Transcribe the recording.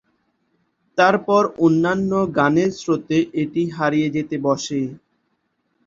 তারপর অন্যান্য গানের স্রোতে এটি হারিয়ে যেতে বসে।